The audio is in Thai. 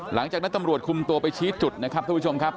หลังจากนั้นตำรวจคุมตัวไปชี้จุดนะครับทุกผู้ชมครับ